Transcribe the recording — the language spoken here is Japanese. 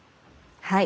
はい。